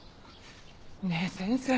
ねぇ先生